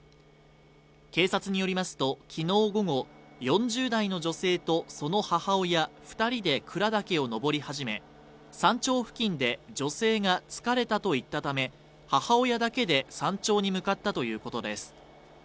警察によりますと、昨日午後、４０代の女性と、その母親２人で鞍岳を登り始め、山頂付近で女性が疲れたと言ったため母親だけで山頂に向かったということです。